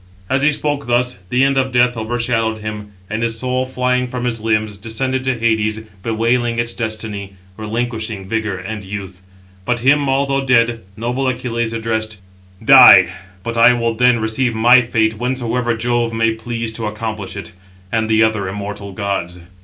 As he spoke thus, the end of death overshadowed him; and his soul flying from his limbs, descended to Hades, bewailing its destiny, relinquishing vigour and youth. But him, although dead, noble Achilles addressed: "Die: but I will then receive my fate whensoever Jove may please to accomplish it, 711 and the other immortal gods."